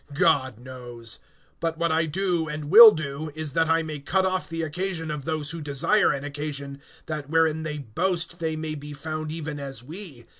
God knows. (12)But what I do, and will do, is that I may cut off the occasion of those who desire an occasion, that wherein they boast they may be found even as we.